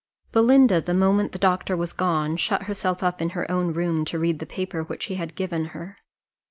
Belinda, the moment the doctor was gone, shut herself up in her own room to read the paper which he had given to her.